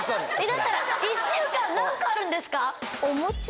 だったら１週間何個あるんですか？